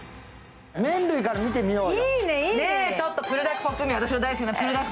麺類から見てみようよ。